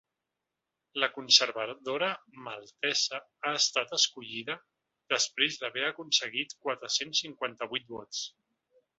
La conservadora maltesa ha estat escollida desprès d’haver aconseguit quatre-cents cinquanta-vuit vots.